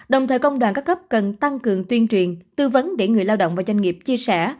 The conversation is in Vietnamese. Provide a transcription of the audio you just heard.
đồng thời công đoàn các cấp cần tăng cường tuyên truyền tư vấn để người lao động và doanh nghiệp chia sẻ